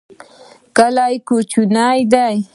کلی کوچنی دی.